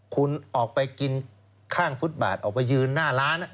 คุณออกไปกินข้างฟุตบาทออกไปยืนหน้าร้าน